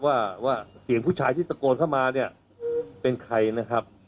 ว่าเสียงผู้ชายที่ตะโกนเข้ามาเนี่ยเป็นใครนะครับ